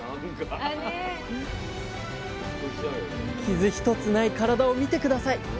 傷一つない体を見て下さい。